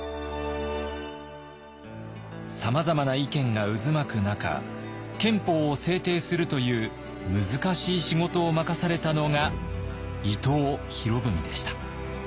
さまざまな意見が渦巻く中憲法を制定するという難しい仕事を任されたのが伊藤博文でした。